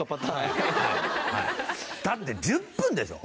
だって１０分でしょ？